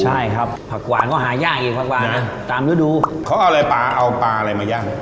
ใช่ครับผักหวานก็หายากอีกผักหวานนะตามฤดูเขาเอาอะไรปลาเอาปลาอะไรมาย่าง